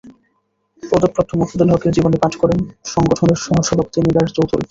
পদক প্রাপ্ত মফিদুল হক-এর জীবনী পাঠ করেন সংগঠনের সহসভাপতি নিগার চৌধুরী।